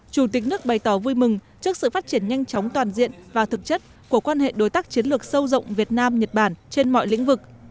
chủ tịch nước bày tỏ vui mừng trước sự phát triển nhanh chóng toàn diện và thực chất của quan hệ đối tác chiến lược sâu rộng việt nam nhật bản trên mọi lĩnh vực